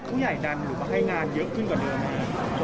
ผู้ใหญ่ดันหรือมาให้งานเยอะขึ้นกว่าเดิมไหมครับ